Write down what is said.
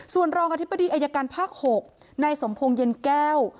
ส่วนรองอธิบดีอายการภาค๖นายสมพงศ์เย็นแก้ว